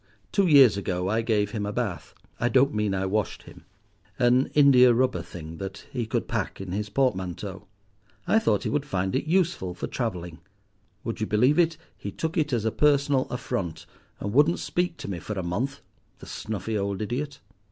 Two years ago I gave him a bath—I don't mean I washed him—an india rubber thing, that he could pack in his portmanteau. I thought he would find it useful for travelling. Would you believe it, he took it as a personal affront, and wouldn't speak to me for a month, the snuffy old idiot."